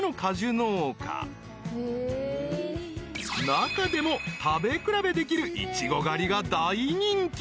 ［中でも食べ比べできるイチゴ狩りが大人気］